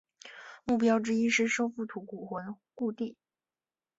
目标之一是收复吐谷浑故地。